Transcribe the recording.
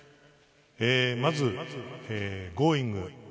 まず、「Ｇｏｉｎｇ！」